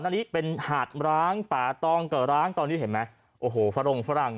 อันนี้เป็นหาดร้างป่าตองกับร้างตอนนี้เห็นไหมโอ้โหฝรงฝรั่ง